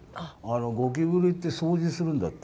ゴキブリって、掃除するんだって。